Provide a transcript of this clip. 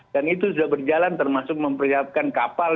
dan itu sudah berjalan termasuk memperlihatkan kapal